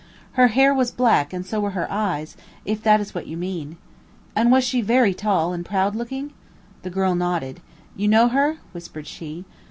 "Her hair was black and so were her eyes, if that is what you mean." "And was she very tall and proud looking?" The girl nodded. "You know her?" whispered she.